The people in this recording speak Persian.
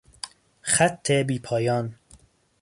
خط بی پایان